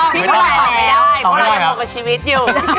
ไม่ต้องพี่อายกับพี่อ๋อมไม่ได้